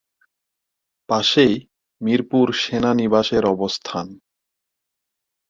পাশেই মিরপুর সেনানিবাসের অবস্থান।